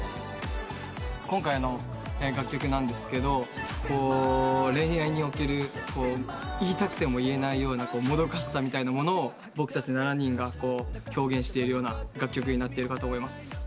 今回の楽曲なんですけど恋愛における言いたくても言えないようなもどかしさみたいなものを僕たち７人が表現しているような楽曲になっているかと思います。